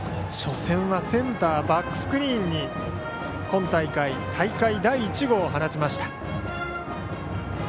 初戦はセンターバックスクリーンに今大会、大会第１号を放ちました。